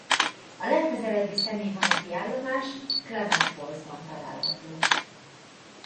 A legközelebbi személyvonati állomás Klamath Fallsban található.